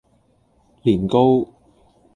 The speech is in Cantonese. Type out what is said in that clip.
年糕